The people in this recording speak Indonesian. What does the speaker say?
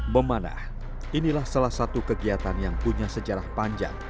memanah inilah salah satu kegiatan yang punya sejarah panjang